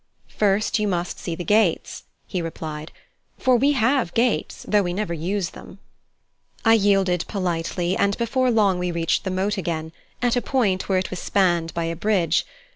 "First, you must see the gates," he replied, "for we have gates, though we never use them." I yielded politely, and before long we reached the moat again, at a point where it was spanned by a bridge.